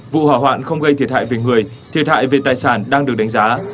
vụ hỏa hoạn không gây thiệt hại về người thiệt hại về tài sản đang được đánh giá